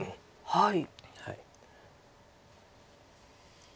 はい。